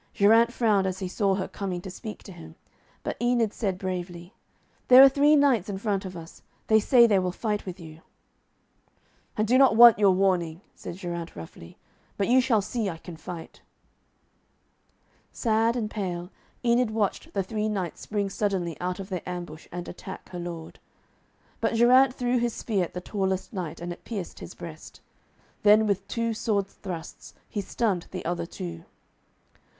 Geraint frowned as he saw her coming to speak to him, but Enid said bravely, 'There are three knights in front of us. They say they will fight with you.' 'I do not want your warning,' said Geraint roughly, 'but you shall see I can fight.' Sad and pale, Enid watched the three knights spring suddenly out of their ambush and attack her lord. But Geraint threw his spear at the tallest knight, and it pierced his breast. Then with two sword thrusts, he stunned the other two.